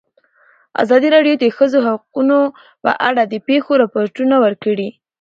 ازادي راډیو د د ښځو حقونه په اړه د پېښو رپوټونه ورکړي.